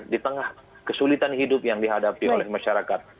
di tengah kesulitan hidup yang dihadapi oleh masyarakat